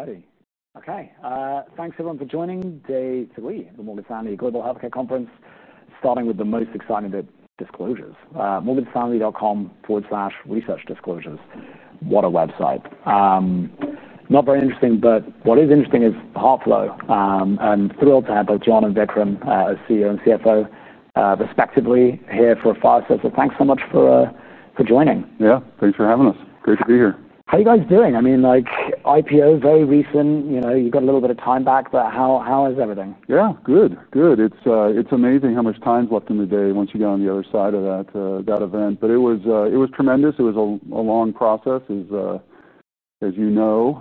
Alrighty. Okay, thanks everyone for joining. Today it's we, the Morgan Stanley Global Healthcare Conference, starting with the most exciting disclosures. MorganStanley.com/researchdisclosures. What a website. Not very interesting, but what is interesting is HeartFlow. I'm thrilled to have both John and Vikram, our CEO and CFO, respectively, here for FiveSurfs. Thanks so much for joining. Yeah, thanks for having us. Great to be here. How are you guys doing? I mean, like IPO, very recent. You know, you got a little bit of time back, but how is everything? Yeah, good, good. It's amazing how much time's left in the day once you get on the other side of that event. It was tremendous. It was a long process, as you know,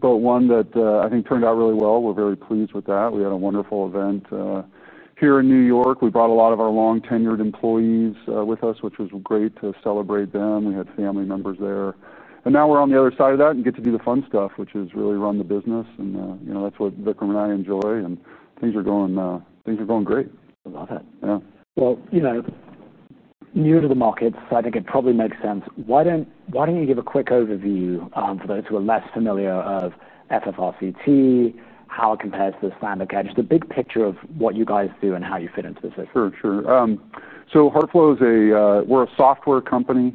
but one that I think turned out really well. We're very pleased with that. We had a wonderful event here in New York. We brought a lot of our long-tenured employees with us, which was great to celebrate them. We had family members there. Now we're on the other side of that and get to do the fun stuff, which is really run the business. You know, that's what Vikram and I enjoy, and things are going great. I love it. Yeah. You know, new to the market, so I think it probably makes sense. Why don't you give a quick overview for those who are less familiar of FFRCT, how it compares to the standard care? Just the big picture of what you guys do and how you fit into the system. Sure, sure. HeartFlow is a, we're a software company.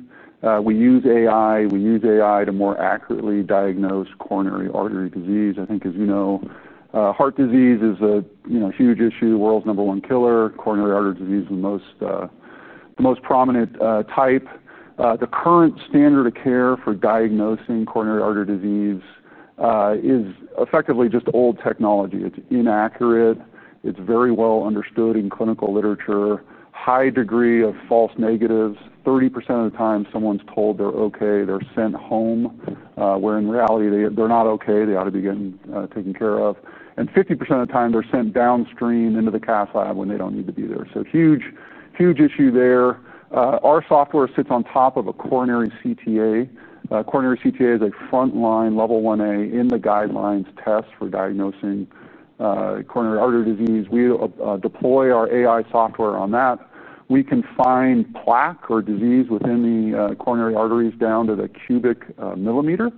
We use AI. We use AI to more accurately diagnose coronary artery disease. I think, as you know, heart disease is a huge issue, world's number one killer. Coronary artery disease is the most prominent type. The current standard of care for diagnosing coronary artery disease is effectively just old technology. It's inaccurate. It's very well understood in clinical literature. High degree of false negatives. 30% of the time, someone's told they're okay, they're sent home, where in reality, they're not okay. They ought to be getting taken care of. 50% of the time, they're sent downstream into the cath lab when they don't need to be there. Huge, huge issue there. Our software sits on top of a coronary CTA. Coronary CTA is a frontline level 1A in the guidelines test for diagnosing coronary artery disease. We deploy our AI software on that. We can find plaque or disease within the coronary arteries down to the cubic millimeter.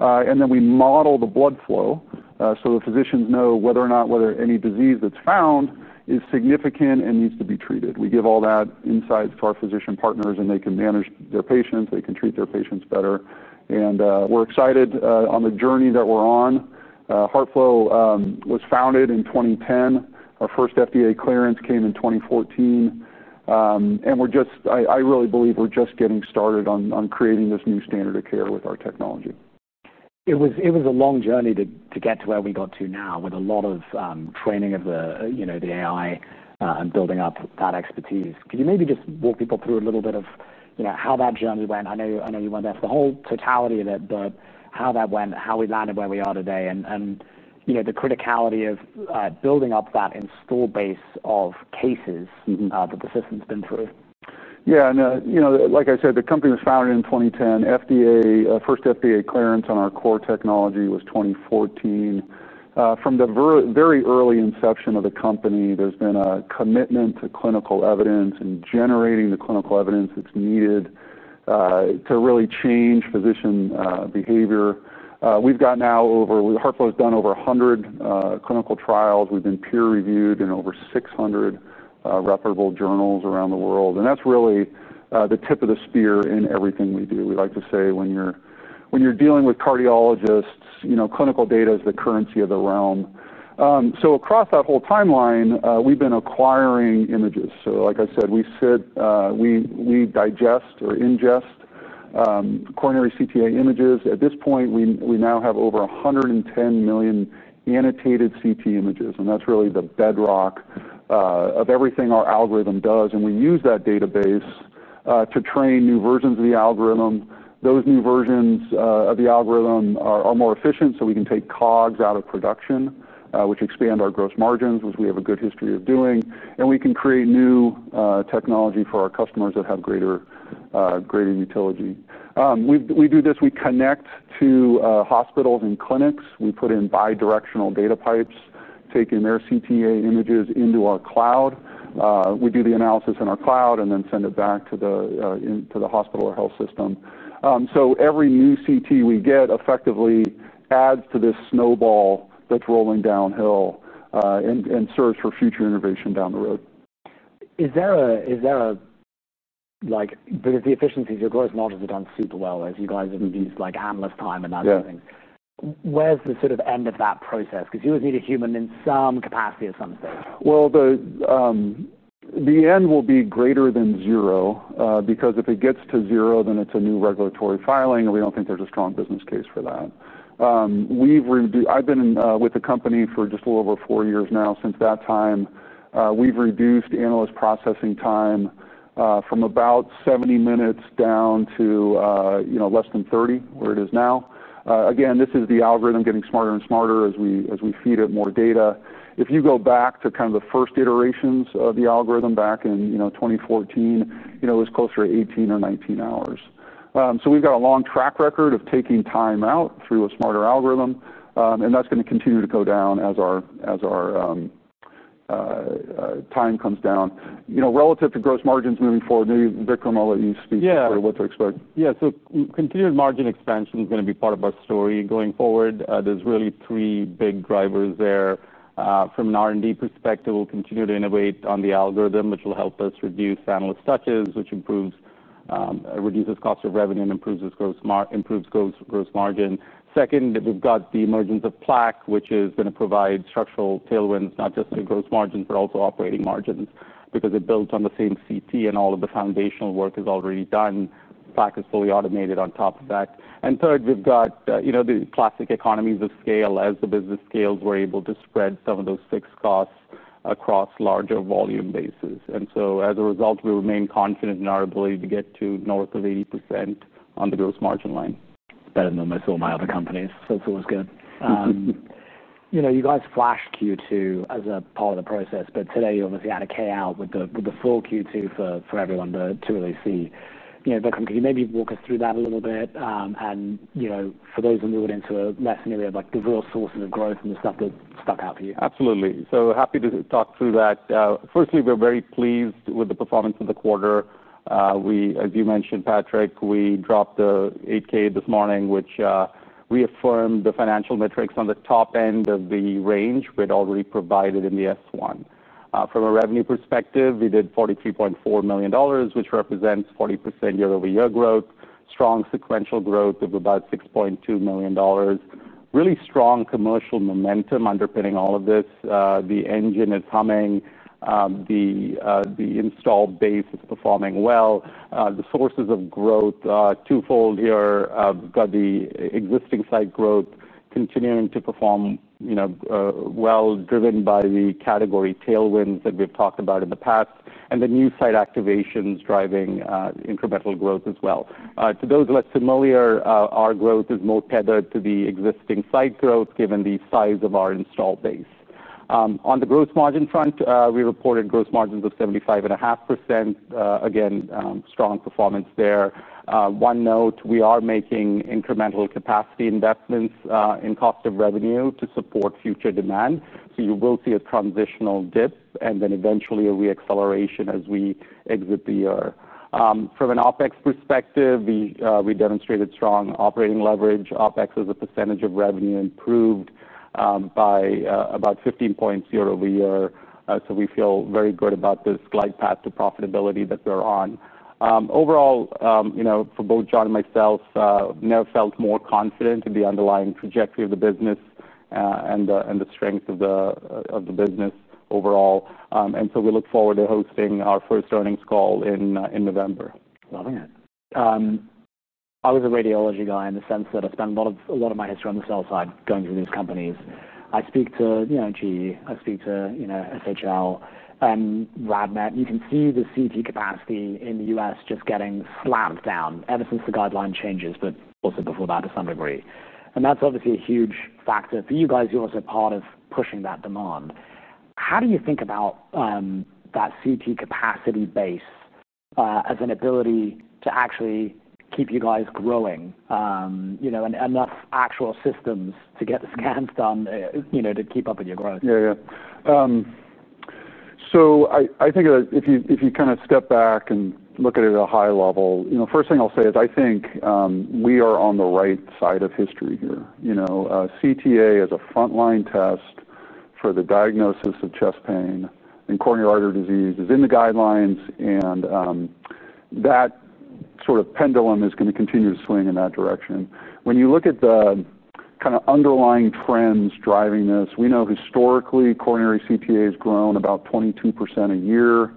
We model the blood flow so the physicians know whether or not any disease that's found is significant and needs to be treated. We give all that insights to our physician partners, and they can manage their patients. They can treat their patients better. We're excited on the journey that we're on. HeartFlow was founded in 2010. Our first FDA clearance came in 2014. I really believe we're just getting started on creating this new standard of care with our technology. It was a long journey to get to where we got to now, with a lot of training of the AI and building up that expertise. Could you maybe just walk people through a little bit of how that journey went? I know you were not there for the whole totality of it, but how that went, how we landed where we are today, and the criticality of building up that installed base of cases that the system's been through. Yeah, and you know, like I said, the company was founded in 2010. First FDA clearance on our core technology was 2014. From the very early inception of the company, there's been a commitment to clinical evidence and generating the clinical evidence that's needed to really change physician behavior. We've got now over, HeartFlow's done over 100 clinical trials. We've been peer reviewed in over 600 reputable journals around the world. That's really the tip of the spear in everything we do. We like to say when you're dealing with cardiologists, you know, clinical data is the currency of the realm. Across that whole timeline, we've been acquiring images. Like I said, we digest or ingest coronary CTA images. At this point, we now have over 110 million annotated CT images. That's really the bedrock of everything our algorithm does. We use that database to train new versions of the algorithm. Those new versions of the algorithm are more efficient, so we can take COGS out of production, which expands our gross margins, which we have a good history of doing. We can create new technology for our customers that have greater utility. We do this, we connect to hospitals and clinics. We put in bidirectional data pipes, taking their CTA images into our cloud. We do the analysis in our cloud and then send it back to the hospital or health system. Every new CT we get effectively adds to this snowball that's rolling downhill and serves for future innovation down the road. Is there a, like, because the efficiencies of course have not done super well as you guys have used like endless time and everything. Yeah. Where's the sort of end of that process? Because you would need a human in some capacity or something. The end will be greater than zero, because if it gets to zero, then it's a new regulatory filing, and we don't think there's a strong business case for that. I've been with the company for just a little over four years now. Since that time, we've reduced analyst processing time from about 70 minutes down to less than 30, where it is now. This is the algorithm getting smarter and smarter as we feed it more data. If you go back to the first iterations of the algorithm back in 2014, it was closer to 18 or 19 hours. We've got a long track record of taking time out through a smarter algorithm. That's going to continue to go down as our time comes down. Relative to gross margins moving forward, maybe Vikram, I'll let you speak to what to expect. Yeah, continued margin expansion is going to be part of our story going forward. There are really three big drivers there. From an R&D perspective, we'll continue to innovate on the algorithm, which will help us reduce analyst touches, which reduces cost of revenue and improves gross margin. Second, we've got the emergence of Plaque Analysis, which is going to provide structural tailwinds, not just to gross margins but also operating margins, because it builds on the same CT and all of the foundational work is already done. Plaque Analysis is fully automated on top of that. Third, we've got the classic economies of scale. As the business scales, we're able to spread some of those fixed costs across larger volume bases. As a result, we remain confident in our ability to get to north of 80% on the gross margin line. Better than almost all my other companies, so it's always good. You guys flashed Q2 as a part of the process, but today you obviously had a KO with the full Q2 for everyone to really see. Vikram, could you maybe walk us through that a little bit? For those in the audience who are less familiar, like the real sources of growth and the stuff that stuck out for you. Absolutely. Happy to talk through that. Firstly, we're very pleased with the performance of the quarter. As you mentioned, Patrick, we dropped the 8K this morning, which reaffirmed the financial metrics on the top end of the range we'd already provided in the S1. From a revenue perspective, we did $43.4 million, which represents 40% year-over-year growth, strong sequential growth of about $6.2 million. Really strong commercial momentum underpinning all of this. The engine is humming. The install base is performing well. The sources of growth are twofold here. We've got the existing site growth continuing to perform well, driven by the category tailwinds that we've talked about in the past, and the new site activations driving incremental growth as well. To those less familiar, our growth is more tethered to the existing site growth, given the size of our install base. On the gross margin front, we reported gross margins of 75.5%. Again, strong performance there. One note, we are making incremental capacity investments in captive revenue to support future demand. You will see a transitional dip and then eventually a reacceleration as we exit the year. From an OpEx perspective, we demonstrated strong operating leverage. OpEx as a percentage of revenue improved by about 15 points year over year. We feel very good about this glide path to profitability that we're on. Overall, for both John and myself, never felt more confident. The underlying trajectory of the business and the strength of the business overall. We look forward to hosting our first earnings call in November. Loving it. I was a radiology guy in the sense that I've done a lot of my history on the sell side going through these companies. I speak to, you know, GE, I speak to, you know, SHL, and Rabnet. You can see the CT capacity in the U.S. just getting slammed down ever since the guideline changes, also before that to some degree. That's obviously a huge factor for you guys. You're also part of pushing that demand. How do you think about that CT capacity base as an ability to actually keep you guys growing? Enough actual systems to get the scans done to keep up with your growth. Yeah, yeah. I think if you kind of step back and look at it at a high level, the first thing I'll say is I think we are on the right side of history here. CTA is a frontline test for the diagnosis of chest pain and coronary artery disease is in the guidelines. That sort of pendulum is going to continue to swing in that direction. When you look at the kind of underlying trends driving this, we know historically coronary CTA has grown about 22% a year.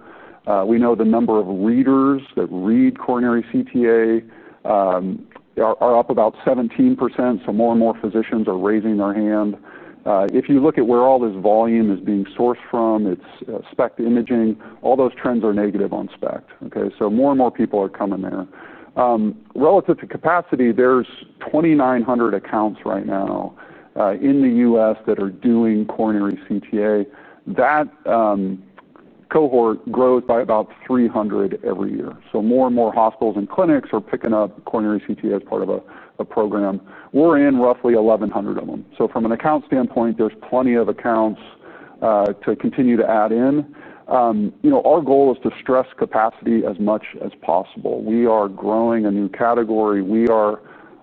We know the number of readers that read coronary CTA are up about 17%. More and more physicians are raising their hand. If you look at where all this volume is being sourced from, it's SPECT imaging. All those trends are negative on SPECT. More and more people are coming there. Relative to capacity, there's 2,900 accounts right now in the U.S. that are doing coronary CTA. That cohort grows by about 300 every year. More and more hospitals and clinics are picking up coronary CTA as part of a program. We're in roughly 1,100 of them. From an account standpoint, there's plenty of accounts to continue to add in. Our goal is to stress capacity as much as possible. We are growing a new category. We are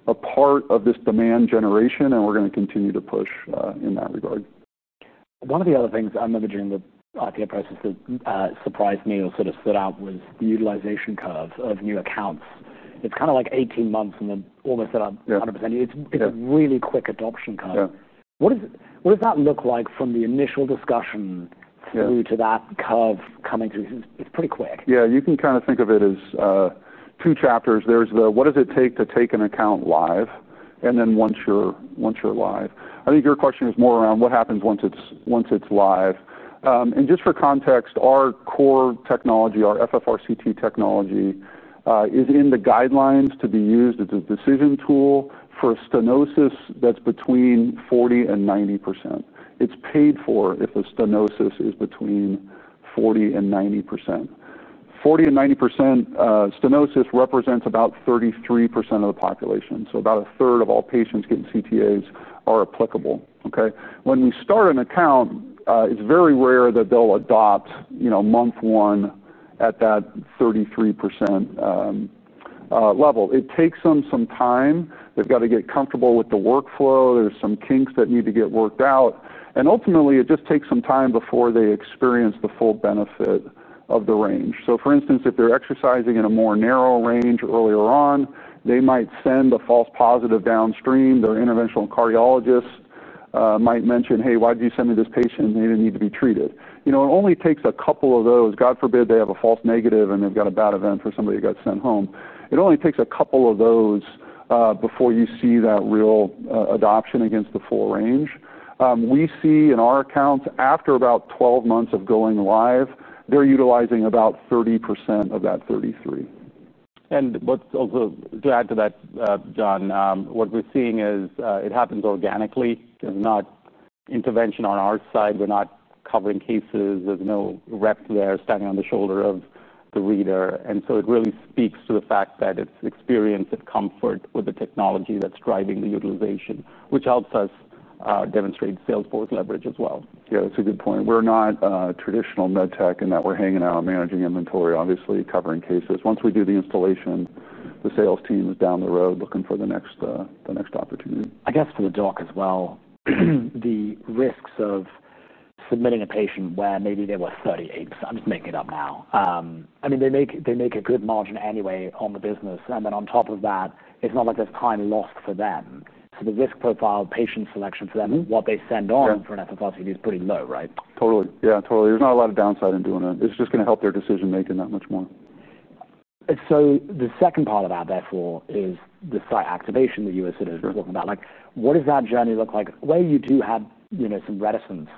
a part of this demand generation, and we're going to continue to push in that regard. One of the other things I'm imaging that RTO process that surprised me or sort of stood out was the utilization curve of new accounts. It's kind of like 18 months and then almost set up 100%. It's a really quick adoption time. What does that look like from the initial discussion through to that curve coming through? It's pretty quick. Yeah, you can kind of think of it as two chapters. There's the what does it take to take an account live? Then once you're live, I think your question is more around what happens once it's live. Just for context, our core technology, our FFRCT technology, is in the guidelines to be used as a decision tool for a stenosis that's between 40% and 90%. It's paid for if the stenosis is between 40% and 90%. 40% and 90% stenosis represents about 33% of the population, so about a third of all patients getting CTAs are applicable. When we start an account, it's very rare that they'll adopt, you know, month one at that 33% level. It takes them some time. They've got to get comfortable with the workflow. There are some kinks that need to get worked out. Ultimately, it just takes some time before they experience the full benefit of the range. For instance, if they're exercising in a more narrow range earlier on, they might send a false positive downstream. Their interventional cardiologists might mention, "Hey, why did you send me this patient? They didn't need to be treated." It only takes a couple of those. God forbid they have a false negative and they've got a bad event for somebody that got sent home. It only takes a couple of those before you see that real adoption against the full range. We see in our accounts after about 12 months of going live, they're utilizing about 30% of that 33%. To add to that, John, what we're seeing is it happens organically. There's not intervention on our side. We're not covering cases. There's no rep there standing on the shoulder of the reader. It really speaks to the fact that it's experience and comfort with the technology that's driving the utilization, which helps us demonstrate salesforce leverage as well. Yeah, that's a good point. We're not traditional med tech in that we're hanging out managing inventory, obviously covering cases. Once we do the installation, the sales team is down the road looking for the next opportunity. I guess for the doc as well, the risks of submitting a patient where maybe there were 38, I'm just making it up now. I mean, they make a good margin anyway on the business. On top of that, it's not like there's time lost for them. The risk profile of patient selection for them, what they send on for an FFRCT, is pretty low, right? Totally. Yeah, totally. There's not a lot of downside in doing it. It's just going to help their decision-making that much more. The second part of that therefore is the site activation that you were sort of talking about. What does that journey look like? Where you do have, you know, some reticence,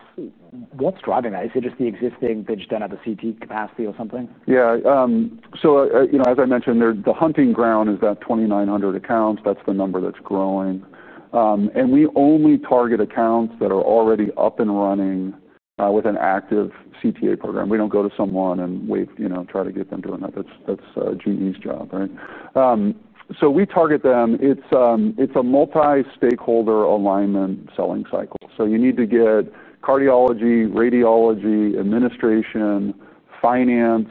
what's driving that? Is it just the existing pitch done at the CT capacity or something? Yeah. As I mentioned, the hunting ground is that 2,900 accounts. That's the number that's growing. We only target accounts that are already up and running with an active CTA program. We don't go to someone and try to get them to run up. That's GE's job, right? We target them. It's a multi-stakeholder alignment selling cycle. You need to get Cardiology, Radiology, Administration, Finance,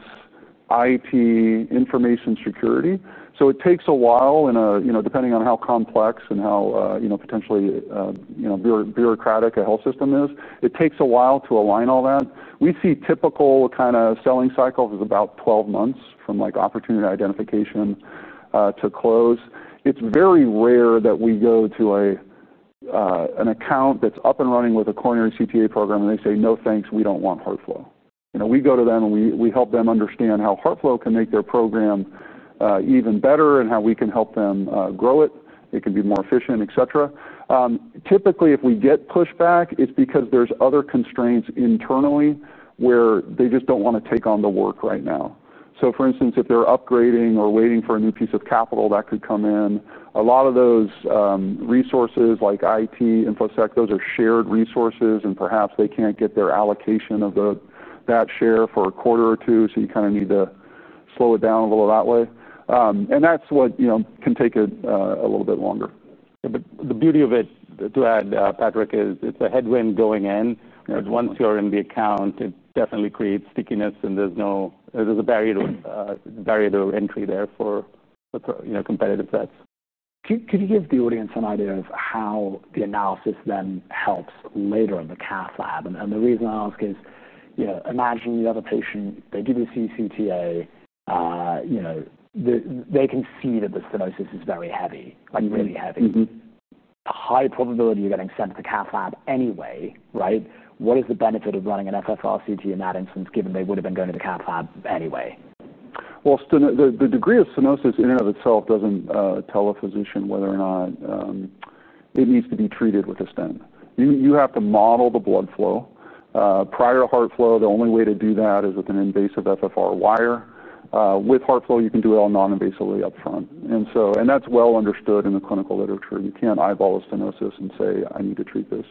IT, Information Security. It takes a while, depending on how complex and how potentially bureaucratic a health system is, to align all that. We see typical selling cycles of about 12 months from opportunity identification to close. It's very rare that we go to an account that's up and running with a coronary CTA program and they say, "No, thanks, we don't want HeartFlow." We go to them and help them understand how HeartFlow can make their program even better and how we can help them grow it. It can be more efficient, etc. Typically, if we get pushback, it's because there are other constraints internally where they just don't want to take on the work right now. For instance, if they're upgrading or waiting for a new piece of capital that could come in, a lot of those resources like IT, InfoSec, those are shared resources and perhaps they can't get their allocation of that share for a quarter or two. You need to slow it down a little that way. That's what can take a little bit longer. The beauty of it, to add, Patrick, is the headwind going in. Once you're in the account, it definitely creates stickiness, and there's a barrier to entry there for, you know, competitive threats. Could you give the audience an idea of how the analysis then helps later in the cath lab? The reason I ask is, you know, imagine you have a patient, they do receive CCTA, you know, they can see that the stenosis is very heavy, like really heavy. A high probability you're getting sent to the cath lab anyway, right? What is the benefit of running an FFRCT in that instance, given they would have been going to the cath lab anyway? The degree of stenosis in and of itself doesn't tell a physician whether or not it needs to be treated with a stent. You have to model the blood flow. Prior to HeartFlow, the only way to do that is with an invasive FFR wire. With HeartFlow, you can do it all non-invasively upfront. That is well understood in the clinical literature. You can't eyeball a stenosis and say, "I need to treat this."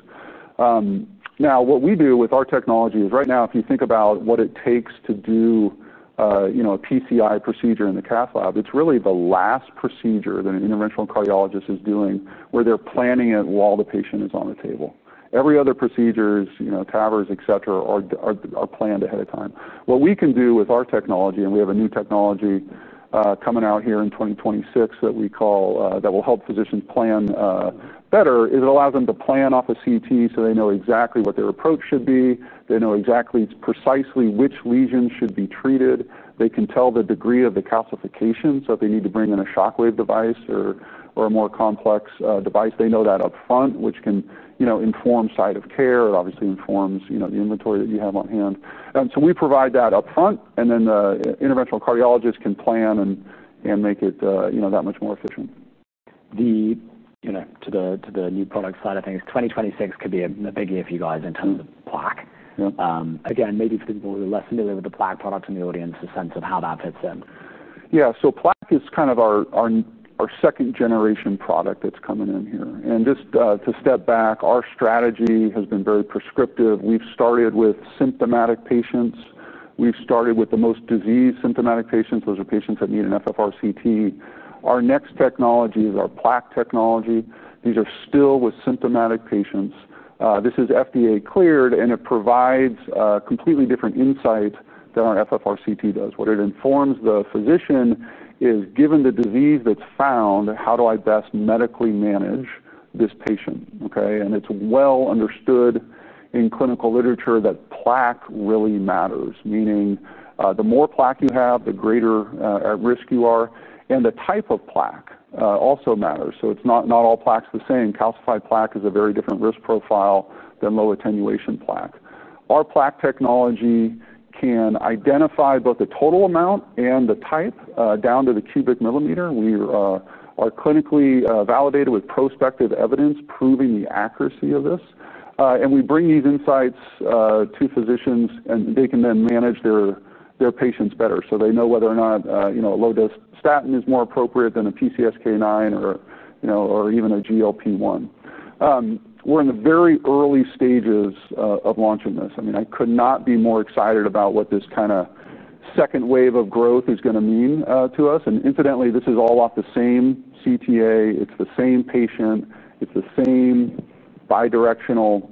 What we do with our technology is, right now, if you think about what it takes to do a PCI procedure in the cath lab, it's really the last procedure that an Interventional Cardiologist is doing where they're planning it while the patient is on the table. Every other procedure, TAVRs, etc., are planned ahead of time. What we can do with our technology, and we have a new technology coming out here in 2026 that we call that will help physicians plan better, is it allows them to plan off a CT so they know exactly what their approach should be. They know exactly precisely which lesions should be treated. They can tell the degree of the calcification so if they need to bring in a shockwave device or a more complex device, they know that upfront, which can inform site of care. It obviously informs the inventory that you have on hand. We provide that upfront, and then the Interventional Cardiologist can plan and make it that much more efficient. To the new product side of things, 2026 could be a big year for you guys in terms of plaque. Yeah. Again, maybe for people who are less familiar with the Plaque Analysis product in the audience, a sense of how that fits in. Yeah, so Plaque Analysis is kind of our second generation product that's coming in here. Just to step back, our strategy has been very prescriptive. We've started with symptomatic patients. We've started with the most disease symptomatic patients. Those are patients that need an FFRCT. Our next technology is our Plaque Analysis technology. These are still with symptomatic patients. This is FDA cleared, and it provides a completely different insight than our FFRCT does. What it informs the physician is, given the disease that's found, how do I best medically manage this patient? It's well understood in clinical literature that plaque really matters, meaning the more plaque you have, the greater at risk you are, and the type of plaque also matters. It's not all plaque's the same. Calcified plaque is a very different risk profile than low attenuation plaque. Our Plaque Analysis technology can identify both the total amount and the type down to the cubic millimeter. We are clinically validated with prospective evidence proving the accuracy of this. We bring these insights to physicians, and they can then manage their patients better. They know whether or not, you know, a low-dose statin is more appropriate than a PCSK9 or, you know, or even a GLP-1. We're in the very early stages of launching this. I could not be more excited about what this kind of second wave of growth is going to mean to us. Incidentally, this is all off the same CCTA. It's the same patient. It's the same bidirectional,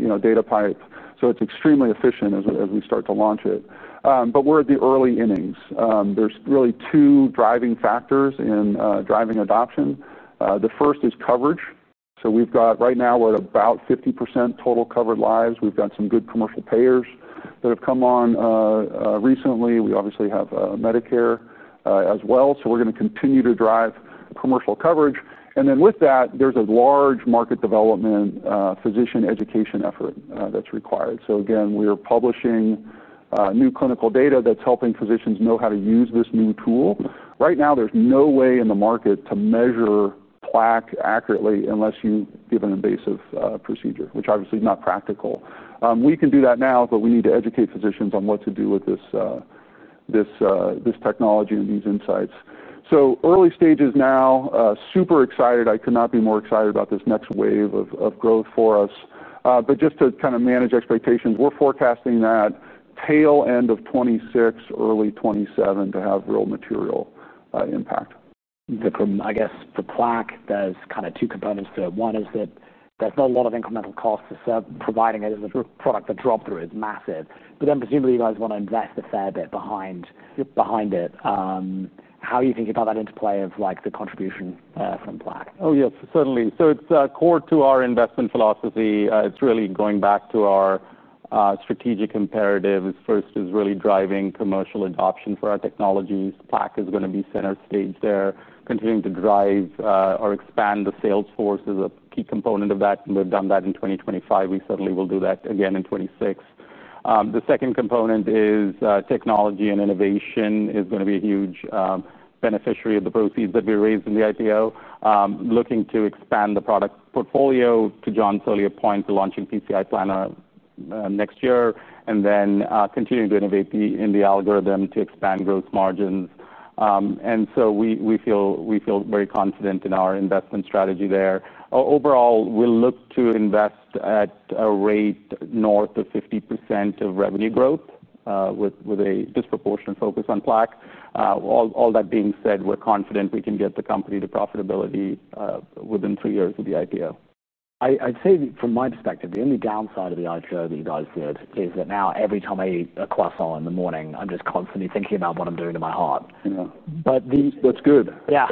you know, data pipe. It's extremely efficient as we start to launch it. We're at the early innings. There are really two driving factors in driving adoption. The first is coverage. We've got right now, we're at about 50% total covered lives. We've got some good commercial payers that have come on recently. We obviously have Medicare as well. We're going to continue to drive commercial coverage. With that, there's a large market development physician education effort that's required. We're publishing new clinical data that's helping physicians know how to use this new tool. Right now, there's no way in the market to measure plaque accurately unless you give an invasive procedure, which obviously is not practical. We can do that now, but we need to educate physicians on what to do with this technology and these insights. Early stages now, super excited. I could not be more excited about this next wave of growth for us. Just to kind of manage expectations, we're forecasting that tail end of 2026, early 2027, to have real material impact. Okay, I guess for Plaque Analysis, there's kind of two components to it. One is that there's not a lot of incremental cost providing it as a product, that drop through is massive. Presumably you guys want to invest a fair bit behind it. How are you thinking about that interplay of like the contribution from plaque? Oh yes, certainly. It's core to our investment philosophy. It's really going back to our strategic imperatives. First is really driving commercial adoption for our technologies. Plaque is going to be center stage there. Continuing to drive or expand the sales force is a key component of that. We've done that in 2025. We certainly will do that again in 2026. The second component is technology and innovation is going to be a huge beneficiary of the proceeds that we raised in the IPO. Looking to expand the product portfolio to John's earlier point, the launching PCI planner next year, and then continuing to innovate in the algorithm to expand gross margins. We feel very confident in our investment strategy there. Overall, we'll look to invest at a rate north of 50% of revenue growth with a disproportionate focus on plaque. All that being said, we're confident we can get the company to profitability within three years of the IPO. I'd say from my perspective, the only downside of the IPO that you guys did is that now every time I eat a croissant in the morning, I'm just constantly thinking about what I'm doing to my heart. Yeah, that's good. Yeah,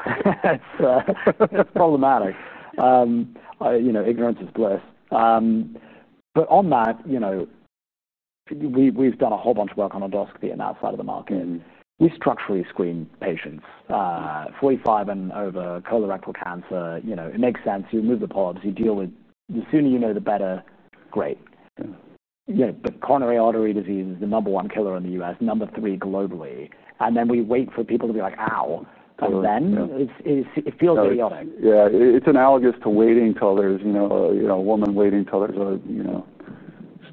it's problematic. You know, ignorance is bliss. We've done a whole bunch of work on endoscopy in that side of the market. You structurally screen patients, 45 and over, colorectal cancer. It makes sense. You remove the polyps. You deal with it, the sooner you know the better. Great. Coronary artery disease is the number one killer in the U.S., number three globally. We wait for people to be like, "Ow." It feels idiotic. Yeah, it's analogous to waiting till there's, you know, a woman waiting till there's a, you know,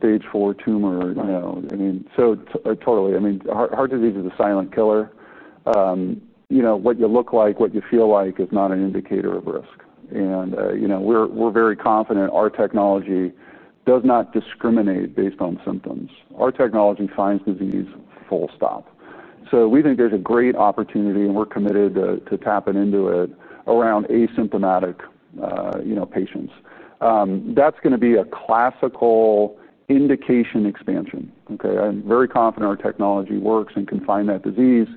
stage four tumor. I mean, heart disease is a silent killer. What you look like, what you feel like is not an indicator of risk. We're very confident our technology does not discriminate based on symptoms. Our technology finds disease, full stop. We think there's a great opportunity, and we're committed to tapping into it around asymptomatic, high-risk patients. That's going to be a classical indication expansion. I'm very confident our technology works and can find that disease.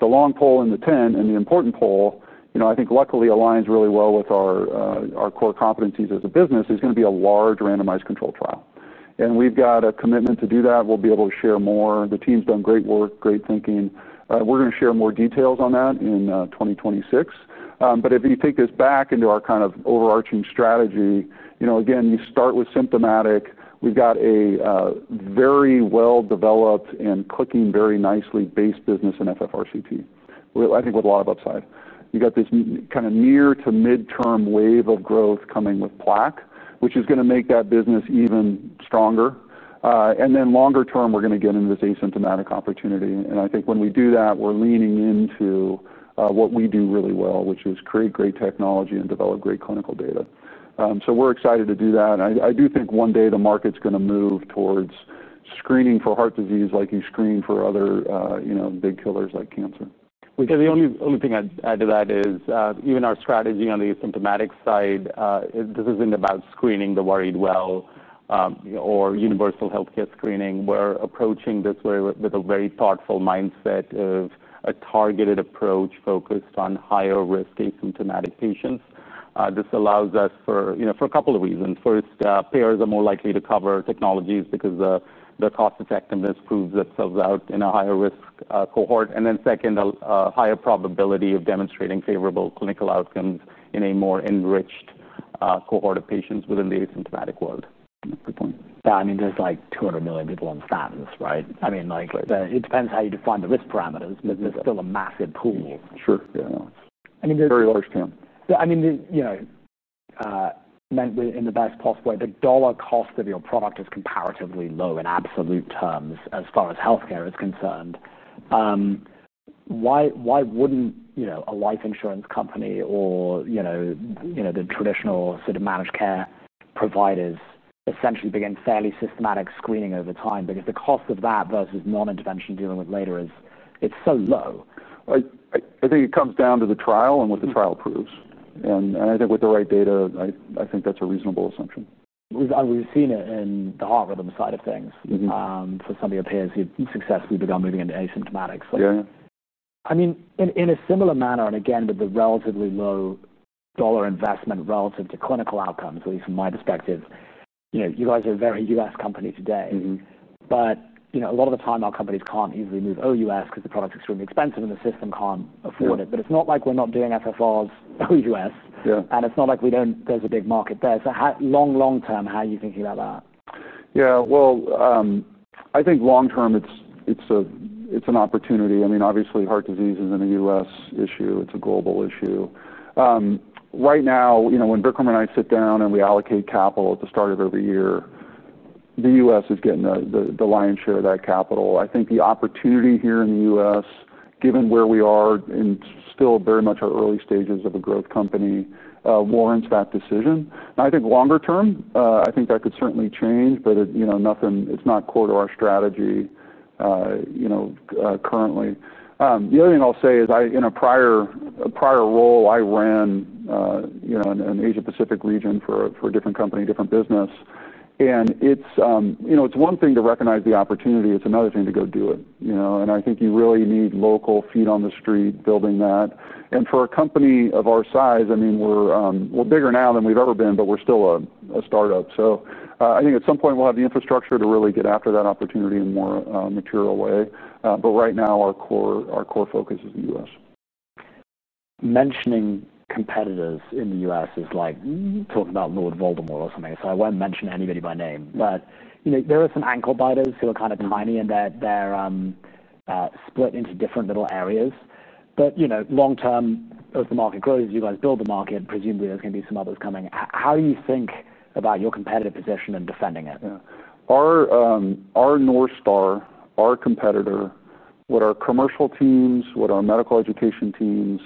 The long pole in the tent and the important pole, I think, luckily aligns really well with our core competencies as a business. There's going to be a large randomized controlled trial, and we've got a commitment to do that. We'll be able to share more. The team's done great work, great thinking. We're going to share more details on that in 2026. If you take this back into our kind of overarching strategy, you start with symptomatic. We've got a very well-developed and clicking very nicely based business in FFRCT Analysis, I think with a lot of upside. You've got this kind of near to mid-term wave of growth coming with Plaque Analysis, which is going to make that business even stronger. Longer term, we're going to get into this asymptomatic opportunity. I think when we do that, we're leaning into what we do really well, which is create great technology and develop great clinical data. We're excited to do that. I do think one day the market's going to move towards screening for heart disease like you screen for other big killers like cancer. Yeah, the only thing I'd add to that is even our strategy on the asymptomatic side, this isn't about screening the worried well or universal healthcare screening. We're approaching this with a very thoughtful mindset of a targeted approach focused on higher risk asymptomatic patients. This allows us for a couple of reasons. First, payers are more likely to cover technologies because the cost effectiveness proves itself out in a higher risk cohort. Second, a higher probability of demonstrating favorable clinical outcomes in a more enriched cohort of patients within the asymptomatic world. I mean, there's like 200 million people on statins, right? I mean, it depends how you define the risk parameters, but there's still a massive pool. Sure. Yeah, I mean, there's a very large team. I mean, meant in the best possible way, the dollar cost of your product is comparatively low in absolute terms as far as healthcare is concerned. Why wouldn't a life insurance company or the traditional sort of managed care providers essentially begin fairly systematic screening over time? Because the cost of that versus non-intervention dealing with later is, it's so low. I think it comes down to the trial and what the trial proves. I think with the right data, that's a reasonable assumption. We've seen it in the heart rhythm side of things for some of your payers who successfully began moving into asymptomatic, high-risk patients. Yeah. In a similar manner, with the relatively low dollar investment relative to clinical outcomes, at least from my perspective, you guys are a very U.S. company today. A lot of the time our companies can't easily move OUS because the product's extremely expensive and the system can't afford it. It's not like we're not doing FFRs OUS. Yeah. There is a big market there. Long term, how are you thinking about that? I think long term, it's an opportunity. Obviously, heart disease isn't a U.S. issue. It's a global issue. Right now, when Vikram and I sit down and we allocate capital at the start of every year, the U.S. is getting the lion's share of that capital. I think the opportunity here in the U.S., given where we are and still very much our early stages of a growth company, warrants that decision. I think longer term, that could certainly change, but it's not core to our strategy currently. The other thing I'll say is, in a prior role, I ran an Asia-Pacific region for a different company, different business. It's one thing to recognize the opportunity. It's another thing to go do it, and I think you really need local feet on the street building that. For a company of our size, we're bigger now than we've ever been, but we're still a startup. I think at some point we'll have the infrastructure to really get after that opportunity in a more material way. Right now, our core focus is the U.S. Mentioning competitors in the U.S. is like talking about Lord Voldemort or something. I won't mention anybody by name. There are some ankle biters who are kind of tiny, and they're split into different little areas. Long term, as the market grows, you guys build the market. Presumably, there's going to be some others coming. How do you think about your competitive position and defending it? Yeah. Our North Star, our competitor, what our commercial teams, what our medical education teams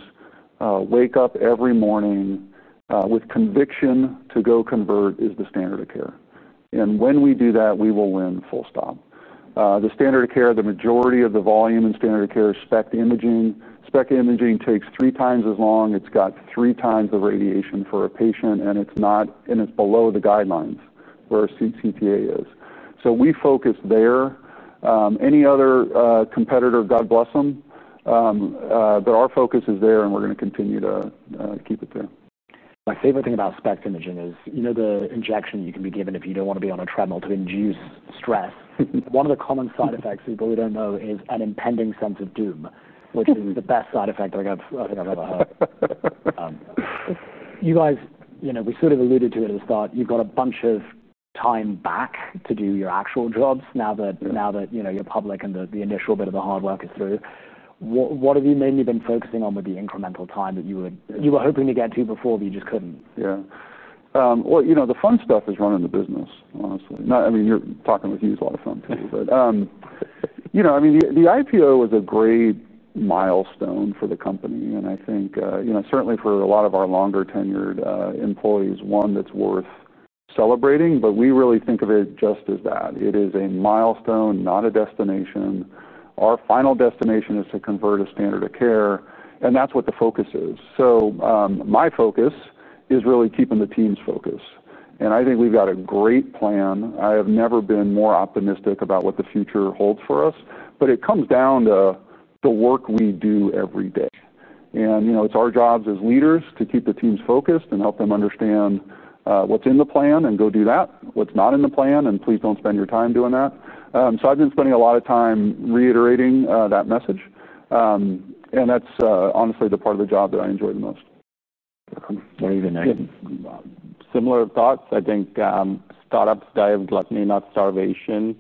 wake up every morning with conviction to go convert is the standard of care. When we do that, we will win, full stop. The standard of care, the majority of the volume in standard of care is SPECT imaging. SPECT imaging takes three times as long. It's got three times the radiation for a patient, and it's not, and it's below the guidelines where CTA is. We focus there. Any other competitor, God bless them. Our focus is there, and we're going to continue to keep it there. My favorite thing about SPECT imaging is, you know, the injection you can be given if you don't want to be on a treadmill to induce stress. One of the common side effects people don't know is an impending sense of doom, which is the best side effect I've ever had. You guys, you know, we sort of alluded to it as though you've got a bunch of time back to do your actual jobs now that, you know, you're public and the initial bit of the hard work is through. What have you mainly been focusing on with the incremental time that you were hoping to get to before, but you just couldn't? Yeah, you know, the fun stuff is running the business, honestly. I mean, talking with you, it's a lot of fun to me. The IPO was a great milestone for the company, and I think certainly for a lot of our longer tenured employees, one that's worth celebrating. We really think of it just as that. It is a milestone, not a destination. Our final destination is to convert a standard of care, and that's what the focus is. My focus is really keeping the team's focus, and I think we've got a great plan. I have never been more optimistic about what the future holds for us. It comes down to the work we do every day. It's our jobs as leaders to keep the teams focused and help them understand what's in the plan and go do that. What's not in the plan, please don't spend your time doing that. I've been spending a lot of time reiterating that message, and that's honestly the part of the job that I enjoy the most. I'm very good. Similar thoughts, I think startups die of gluttony, not starvation.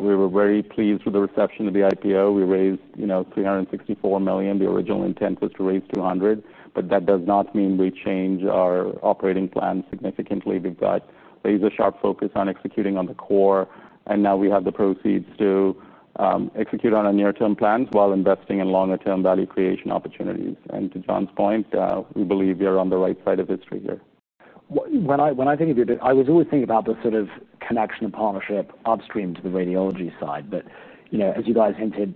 We were very pleased with the reception of the IPO. We raised, you know, $364 million. The original intent was to raise $200 million. That does not mean we change our operating plan significantly. We've got laser sharp focus on executing on the core. Now we have the proceeds to execute on our near-term plans while investing in longer-term value creation opportunities. To John's point, we believe we are on the right side of this trigger. When I think of you, I was always thinking about the sort of connection and partnership upstream to the radiology side. As you guys hinted,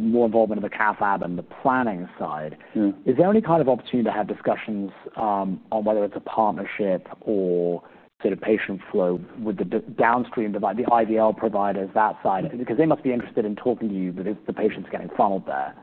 more involvement in the cath lab and the planning side. Is there any kind of opportunity to have discussions on whether it's a partnership or sort of patient flow with the downstream, the IVL providers, that side? They must be interested in talking to you because the patient's getting funneled there.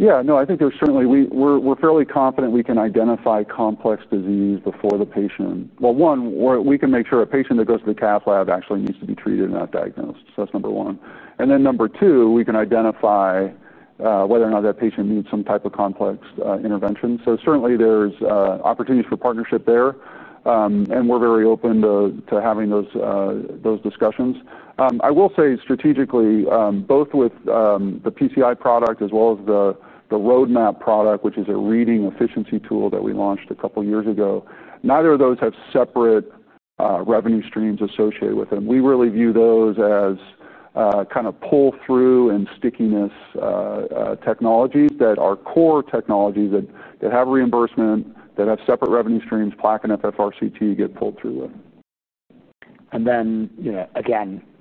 I think there's certainly, we're fairly confident we can identify complex disease before the patient. One, we can make sure a patient that goes to the cath lab actually needs to be treated and not diagnosed. That's number one. Number two, we can identify whether or not that patient needs some type of complex intervention. Certainly there's opportunities for partnership there. We're very open to having those discussions. I will say strategically, both with the PCI product as well as the Roadmap Analysis product, which is a reading efficiency tool that we launched a couple of years ago, neither of those have separate revenue streams associated with them. We really view those as kind of pull-through and stickiness technology that our core technologies that have reimbursement, that have separate revenue streams, Plaque Analysis and FFRCT Analysis, get pulled through with.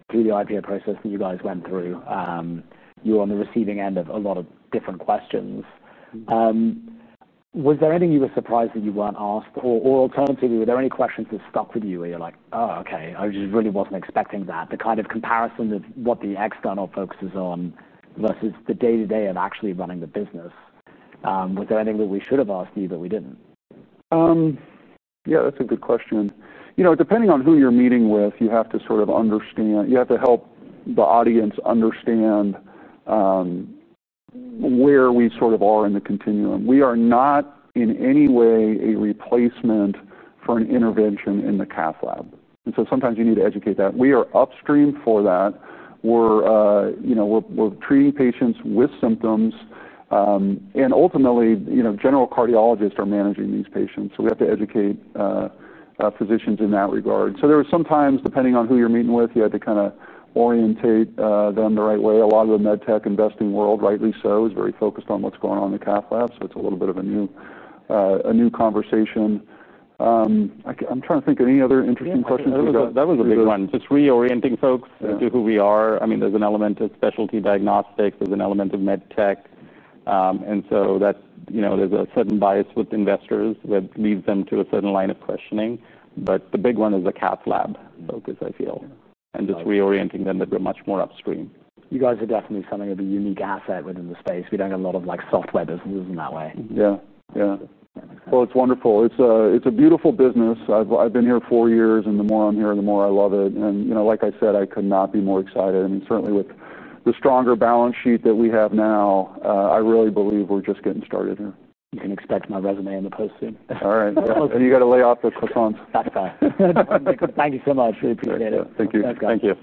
Through the IPO process that you guys went through, you were on the receiving end of a lot of different questions. Was there anything you were surprised that you weren't asked? Alternatively, were there any questions that stuck with you where you're like, oh, okay, I just really wasn't expecting that? The kind of comparisons of what the external focus is on versus the day-to-day of actually running the business. Was there anything that we should have asked you that we didn't? Yeah, that's a good question. Depending on who you're meeting with, you have to help the audience understand where we sort of are in the continuum. We are not in any way a replacement for an intervention in the cath lab, and sometimes you need to educate that. We are upstream for that. We're treating patients with symptoms, and ultimately, general cardiologists are managing these patients. We have to educate physicians in that regard. Sometimes, depending on who you're meeting with, you have to kind of orientate them the right way. A lot of the med tech investing world, rightly so, is very focused on what's going on in the cath lab. It's a little bit of a new conversation. I'm trying to think of any other interesting questions. That was a big one. It's reorienting folks to who we are. I mean, there's an element of specialty diagnostics, there's an element of med tech, and that's, you know, there's a sudden bias with investors that leads them to a certain line of questioning. The big one is the cath lab focus, I feel, and just reorienting them that we're much more upstream. You guys are definitely something of a unique asset within the space. We don't get a lot of software businesses in that way. Yeah, yeah. It's wonderful. It's a beautiful business. I've been here four years, and the more I'm here, the more I love it. You know, like I said, I could not be more excited. Certainly with the stronger balance sheet that we have now, I really believe we're just getting started here. You can expect my resume in the post soon. You got to lay off the croissants. Okay, bye. Thank you so much. Appreciate it. Thank you. Thank you.